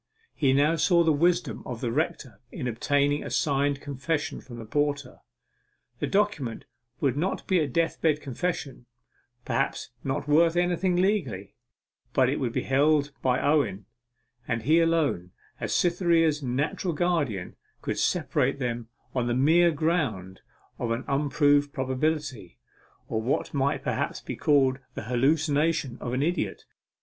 He now saw the wisdom of the rector in obtaining a signed confession from the porter. The document would not be a death bed confession perhaps not worth anything legally but it would be held by Owen; and he alone, as Cytherea's natural guardian, could separate them on the mere ground of an unproved probability, or what might perhaps be called the hallucination of an idiot.